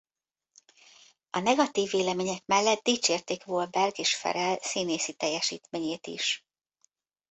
A negatív vélemények mellett dicsérték Wahlberg és Ferrell színészi teljesítményét is.